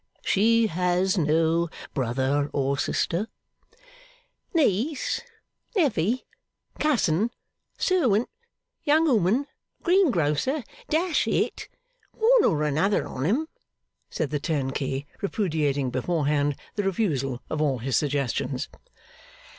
'She has no brother or sister.' 'Niece, nevy, cousin, serwant, young 'ooman, greengrocer. Dash it! One or another on 'em,' said the turnkey, repudiating beforehand the refusal of all his suggestions.